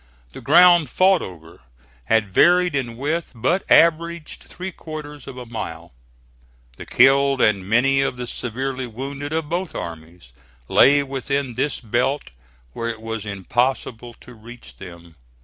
The ground fought over had varied in width, but averaged three quarters of a mile. The killed, and many of the severely wounded, of both armies, lay within this belt where it was impossible to reach them.